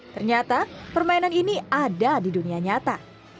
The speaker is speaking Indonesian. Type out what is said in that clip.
ternyata permainan ini ada di dunia nyata